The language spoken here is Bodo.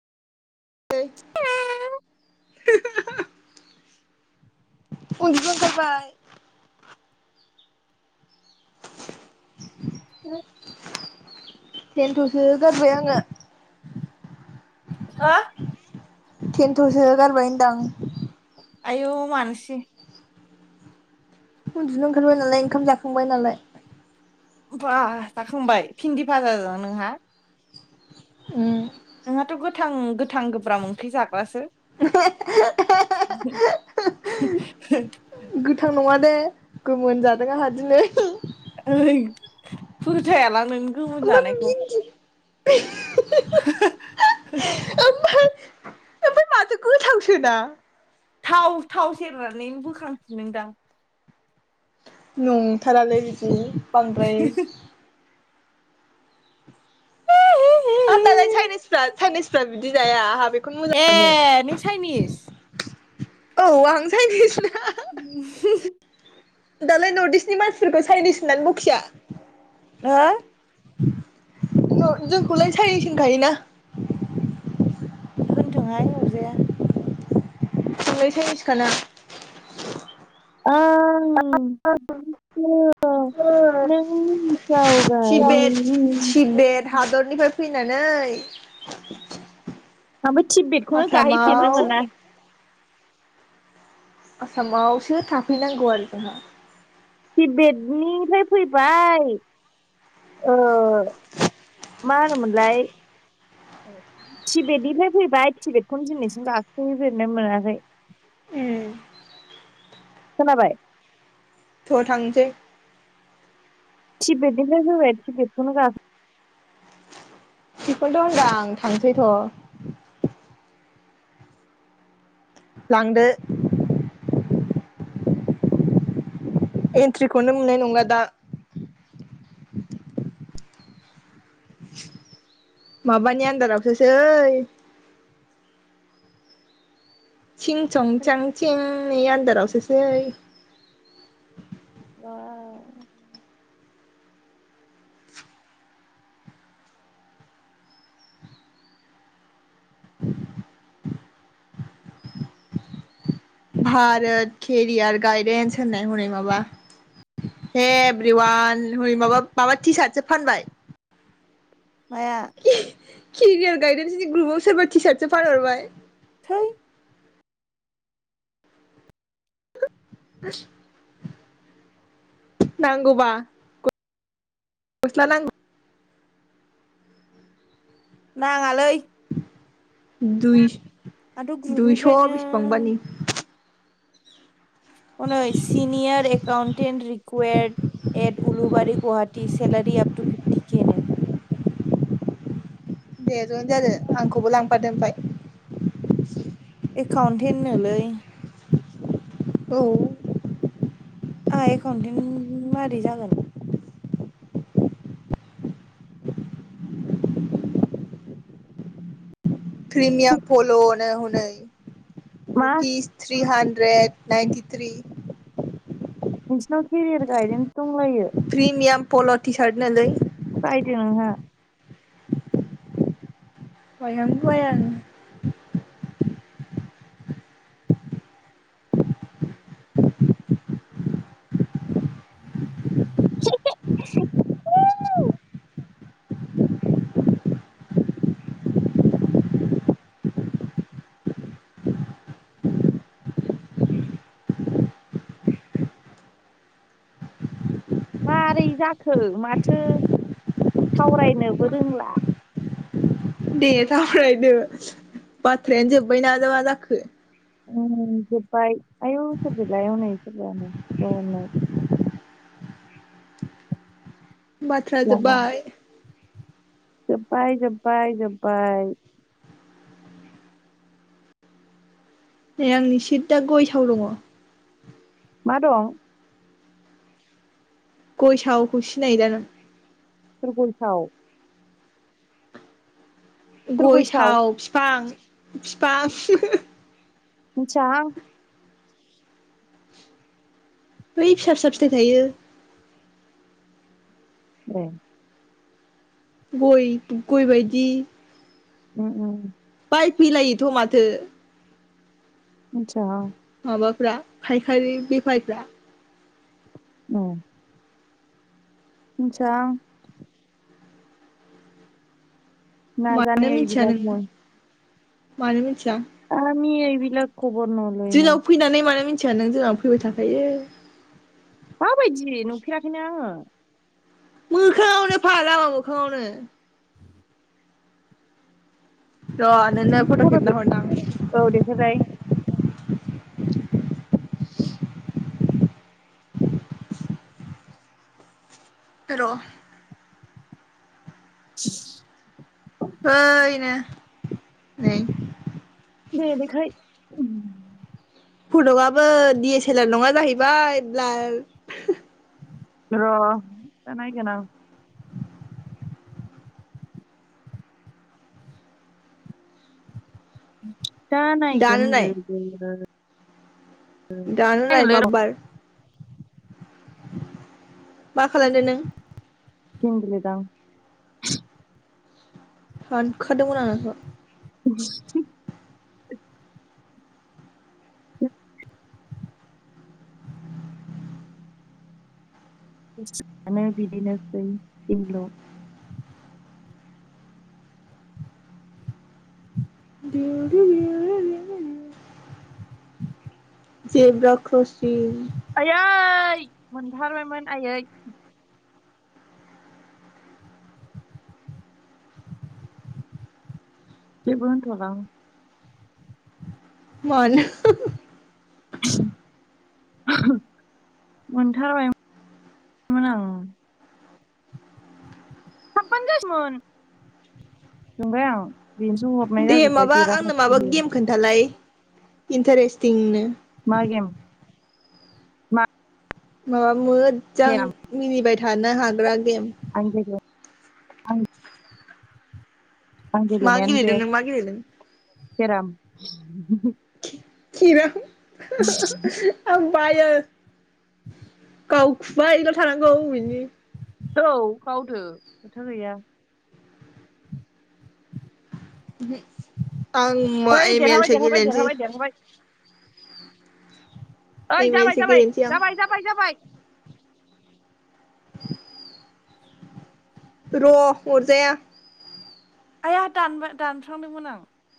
हेल [unintelligible] उनदुनो ओंखारबाय [unintelligible] थेनथसो गारबाय आङो हो थेनथसो गारबाय होनदां आयौ मानसि उनदुनो ओंखारबाय नालाय ओंखाम जाखांबाय नालाय बा जाखांबाय भिन्दि भाजाजों नोंहा उम नोंहाथ गोथां गोथां गोब्राब ओंख्रि जाग्रासो [unintelligible] [unintelligible] गोथां नङा दे गोमोन जादों आंहा दिनै ओइ फोथायालां नोंनि गोमोन ओमफ्राय जानायखौ भिन्दि [unintelligible] सोना थाव थाव सेरनानै बोखांफिनदों दां नंथारालोय बिदि बांद्राय हा दालाय चाइनिसफ्रा चाइनिसफ्रा बिदि जाया आहा ए नों चाइनिस औ आं चाइनिसना [unintelligible] दालाय नर्थ इस्टनि मानसिफोरखौ चाइनिस होननानै बखिया हो जोंखौलाय साइनिच होनखायोना होनथोंहाय अरजाया जोंलाय चाइनिसखाना ओं ओम नों सावगारि तिबेट तिबेट हादरनिफ्राय फैनानै ओमफाय थिबबेदखौनो गाहैफेरनो आसामाव मोना आसामावसो थाफैनांगौ आरो जोंहा थिबेदनिफ्राय फैबाय ओ मा होनोमोनलाय टिबेेदनिफ्राय फैबाय टिबेेद खौनो दिनैसिम गाखैफेरनो मोनाखै उम खोनाबाय थ थांसै थिबेदनिफ्राय फैबाय थिबेदखौनो गा बेखौथ होनदों आं‌ थांसै थ लांदो एन्ट्रिखौनो मोननाय नंला दा माबानि आन्दारावसोसै सिं सं सां सें नि आनदारावसोसै भारोत केरियार गायदेन्स होननाय हनै माबा हे एभ्रिवान हनै माबा माबा टि सार्टसो फानबाय माया? केरियार गायदेन्स नि ग्रुपाव सोरबा टि सार्टसो फानहरबाय थै नांगौबा गस्ला नां नाङालै दुइ आंथ' दुइस ग्रुपनिफ्रायनो बिसबांबानि हनै सिनियोर एकाउन्टेन रिकुवेरद एथ उलुबारि गुहाटि सेलारि आप टु फिफटि केे नो दे जयेन जादों आंखौबो लांफादो ओमफाय एकाउन्टेन नोलै औ आंहा एकाउन्टेन्ट मारै जागोन प्रिमियाम फल नो हनै मा rupees three hundred ninety three नोंसिनाव केरियार गाइदेन दंलायो प्रिमियाम पल' टि सार्ट नोलै बायदो नोंहा बायां बायां [unintelligible] मारै जाखो माथो सावरायनोबो रोंला दे सावरायदो बाथ्रायानो जोब्बायना बा जाखो? [unintelligible] आयौ सोरबेलाय हनै [unintelligible] बाथ्रा जोबबाय जोब्बायबाय जोब्बायबाय जोब्बायबाय। नै आंनि सिददा गय साव दङ मा दं? गय सावखौ सिनायो दा नों? सोर गय साव गय साव फिफां फिफा मिथियाहां बै फिसा फिसा फिथाइ थायो। ए गय गय बायदि उम उम बायफैलायोथ माथो मोनथियाहां माबाफ्रा फायखारि बेफारिफ्रा अ मिथियाहां नाजाने मानो मोथिया इबिलाग नोङो मय मानो मोनथिया आमि एबिलाक जोंनाव फैनानै मानो मिन थिया नों जोंहानाव फैबाय थाखायो माबायदि नुफेराखैनो आङो मोखाङावनो फाला मोखाङावनो। र नोंनो फट खेबना हरनां औ देखायलाय र [unintelligible] ओइ नो नै। बेनिखाय उम फटकआबो डि एस एलार नङा जाहैबाय ब्लार र दा नायगोन आं [inaudible] दा दानो नाय नायगोनलै [unintelligible] दानो नाय र' माबबार मा खालामदो नों गेम गेलेदां। सानखादोंमोन आं नोंखौ [unintelligible] [unintelligible] [unintelligible] बिदिनोसै [unintelligible] [inaudible] थेरेव रेरे रेेरेरे जेब्रा ख्रसिं। यै मोनथारबायमोन आयै जेबो होनथलांं। मानो मोनथारबायमो मोन आं हाबबानो जासैमोन जोंबाय आं बेनोसो हरनाय दे जाजोब्बाय माबा आंनो देराखैसो माबा बियो गेम खोन्थालाय। इन्टारेसतिं नो। मा गेम मा?? माबा मोज जों केराम मिनिबाय। थानो हाग्रा गेम आं गेलेया। आं आं मा गेलदों नों मा गेलदों? खेराम। खेराम [unintelligible] बायो गावखुबायल थानांगौ अबिनि? औ गावदो खोथा गैया। ओहो आं ओइ एम एल देरहाबाय सो देरहाबाय गेलेनसै देरहाबाय देरहाबाय ओइ एम जाबाय एलसो जाबाय गेलेनोसै आं जाबाय जाबाय जाबाय [unintelligible] र' अरजाया आया दानबाय दानफ्लांदोंमोन आं